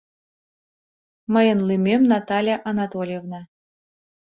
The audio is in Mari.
Мыйын лӱмем Наталья Анатольевна.